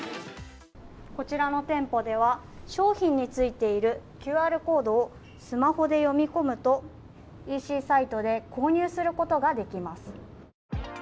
こちらの店舗では、商品についているＱＲコードをスマホで読み込むとＥＣサイトで購入することができます。